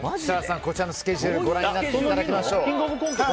こちらのスケジュールご覧になってもらいましょう。